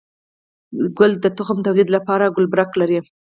گل د تخم توليد لپاره ګلبرګ لري